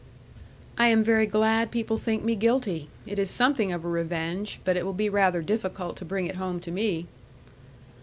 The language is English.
"I am very glad people think me guilty; it is something of a revenge, but it will be rather difficult to bring it home to me."